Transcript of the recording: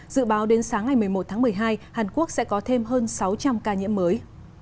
dự báo đến sáng ngày một mươi một tháng một mươi hai hàn quốc sẽ có thêm hơn sáu trăm linh ca nhiễm mới